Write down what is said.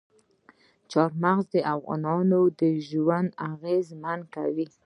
چار مغز د افغانانو ژوند اغېزمن کوي.